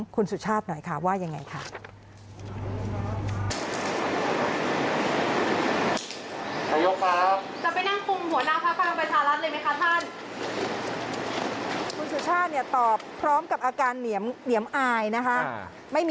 คุณสุชาติตอบพร้อมกับอาการเหนียมอายนะคะ